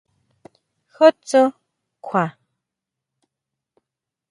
¿Ju tsú kjua?